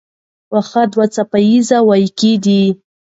واښه دوه څپه ایزه وییکي دي.